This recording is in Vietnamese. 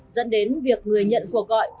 dẫn đến việc người nhận cuộc gọi